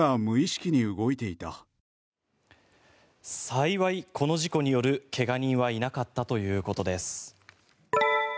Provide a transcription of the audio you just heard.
幸いこの事故による怪我人はいなかったということです。